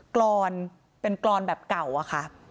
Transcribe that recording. กรอนเป็นกรอนแบบเก่าอะค่ะ